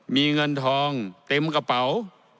มีเงินทองเต็มกระเป๋า